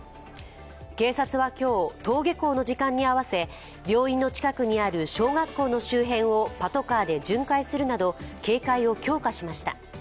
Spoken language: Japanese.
警察は今日、登下校の時間に合わせ、病院の近くにある小学校の周辺をパトカーで巡回するなど警戒を強化しました。